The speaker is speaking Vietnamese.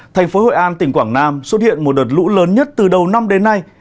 thành phố hội an tỉnh quảng nam xuất hiện một đợt lũ lớn nhất từ đầu năm đến nay